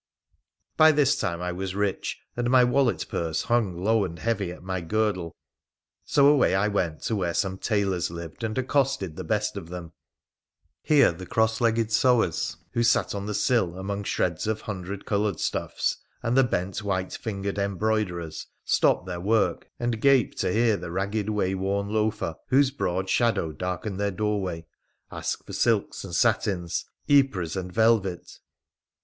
15y this time I was rich, and my wallet purse hung low and heavy at my girdle, so away I went to where some tailors lived, and accosted the best of them. Here the cross legged sewers who sat on the sill among shreds of hundred coloured stuffs and the bent white fingered embroiderers stopped their work and gaped to hear the ragged, wayworn loafer, whose broad shadow darkened their doorway, ask for silks and satins, yepres and velvet.